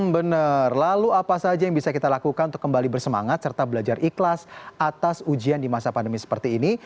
benar lalu apa saja yang bisa kita lakukan untuk kembali bersemangat serta belajar ikhlas atas ujian di masa pandemi seperti ini